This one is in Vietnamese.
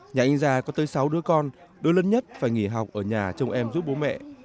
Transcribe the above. nhà anh gia có tới sáu đứa con đôi lớn nhất phải nghỉ học ở nhà chồng em giúp bố mẹ